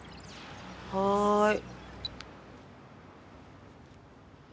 はい。